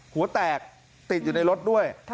หัวแตกติดอยู่ในรถด้วย